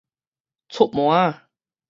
出痲仔